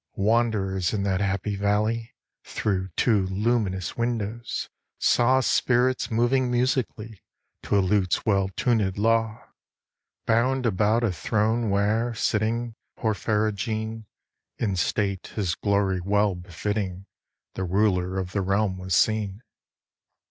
Wanderers in that happy valley, Through two luminous windows, saw Spirits moving musically, To a lute's well tunëd law, Bound about a throne where, sitting (Porphyrogene!) In state his glory well befitting, The ruler of the realm was seen.